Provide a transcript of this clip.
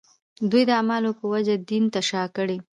دوی د اعمالو په وجه دین ته شا کړي.